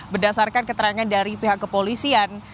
berdasarkan keterangan dari pihak kepolisian